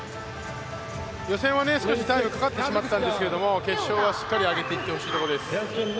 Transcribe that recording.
予選は少しタイムかかってしまったんですけど、決勝はしっかり上げていってほしいところです。